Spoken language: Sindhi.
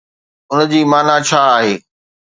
ان جي معنيٰ ڇا آهي؟